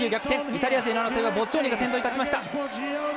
イタリア勢の争いはボッジョーニが先頭に立ちました。